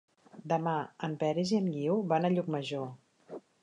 Demà en Peris i en Guiu van a Llucmajor.